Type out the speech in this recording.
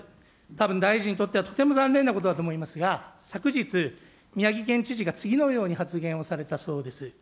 たぶん大臣にとってはとても残念なことだと思いますが、昨日、宮城県知事が次のように発言をされたそうであります。